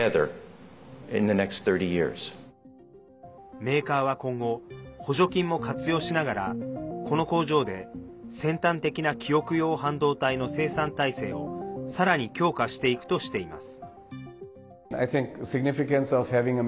メーカーは今後補助金も活用しながらこの工場で先端的な記憶用半導体の生産体制をさらに強化していくとしています。